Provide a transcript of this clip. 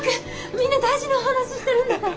みんな大事なお話ししてるんだから。